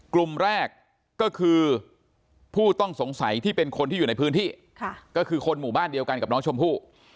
กลุ่มแรกก็คือผู้ต้องสงสัยที่เป็นคนที่อยู่ในพื้นที่ก็คือคนหมู่บ้านเดียวกันกับน้องชมพู่